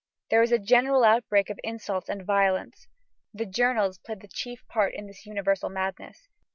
There is a general outbreak of insults and violence. The journals play the chief part in this universal madness.